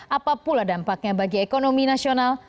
apa pula dampaknya bagi ekonomi nasional